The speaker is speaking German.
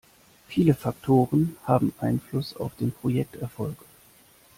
Viele Faktoren haben Einfluss auf den Projekterfolg.